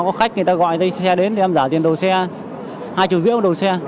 có khách người ta gọi xe đến thì em giả tiền đồ xe hai triệu rưỡi một đồ xe